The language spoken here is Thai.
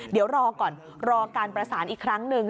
เดี๋ยวรอก่อนรอการประสานอีกครั้งหนึ่ง